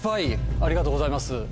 ありがとうございます。